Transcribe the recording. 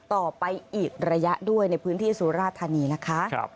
ต่อไปอีกระยะด้วยในพื้นที่สุราธานีนะคะ